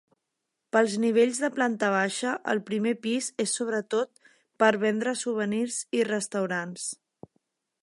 Pels nivells de planta baixa, el primer pis és sobretot per vendre souvenirs i restaurants.